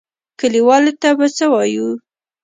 کليوالو ته به څه وايو؟